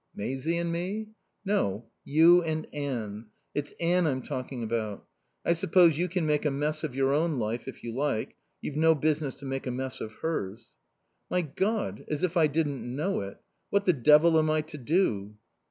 "Maisie and me?" "No. You and Anne. It's Anne I'm talking about. I suppose you can make a mess of your own life if you like. You've no business to make a mess of hers." "My God! as if I didn't know it. What the devil am I to do?"